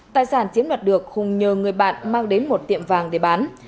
tài sản chiến đoạt được hùng nhờ người bạn mang đến một tiệm vàng để bán